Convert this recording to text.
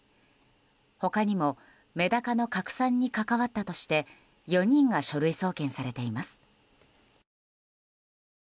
他にもメダカの拡散に関わったとして４人が書類送検されています。